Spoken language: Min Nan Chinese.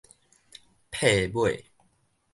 帕尾